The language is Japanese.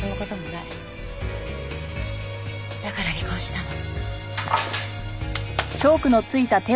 だから離婚したの。